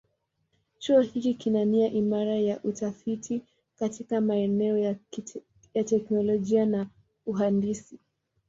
Chuo hiki kina nia imara ya utafiti katika maeneo ya teknolojia na uhandisi.